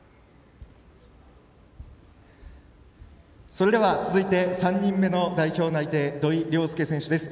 それでは続いて３人目の代表内定土井陵輔選手です。